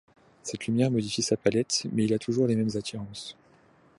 Cette lumière modifie sa palette mais il a toujours les mêmes attirances.